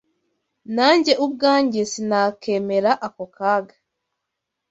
Nanjye ubwanjye sinakemera ako kaga